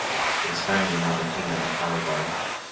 It is found in Argentina and Paraguay.